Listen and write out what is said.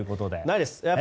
ないです。